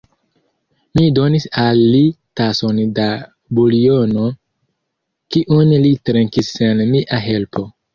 Mi donis al li tason da buljono, kiun li trinkis sen mia helpo.